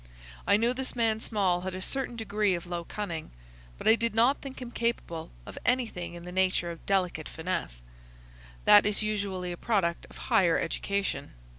I knew this man Small had a certain degree of low cunning, but I did not think him capable of anything in the nature of delicate finesse. That is usually a product of higher education.